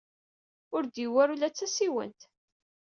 Ur d-yewwi ara ula d tasiwant.